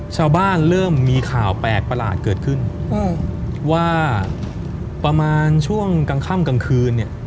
เริ่มมีข่าวแปลกประหลาดเกิดขึ้นว่าประมาณช่วงกลางค่ำกลางคืนเนี่ย